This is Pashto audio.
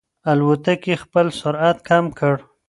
الوتکې خپل سرعت کم کړ.